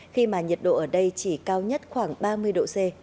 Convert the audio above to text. khi mà nhiệt độ ở đây chỉ cao nhất khoảng ba mươi độ c